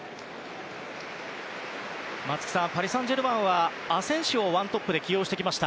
松木さんパリ・サンジェルマンはアセンシオを１トップで起用してきました。